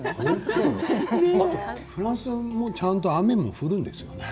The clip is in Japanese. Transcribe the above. フランスもちゃんと雨も降るんですよね。